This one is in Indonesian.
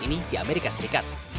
ini di amerika serikat